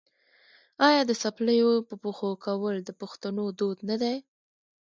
آیا د څپلیو په پښو کول د پښتنو دود نه دی؟